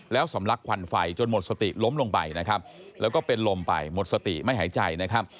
แล้วสำลักควันไฟจนหมดสติล้มลงไปนะครับแล้วก็เป็นลมไปหมดสติไม่หายใจนะครับ